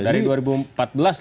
dari dua ribu empat belas